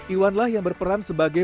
iwan lah yang berperan sebagai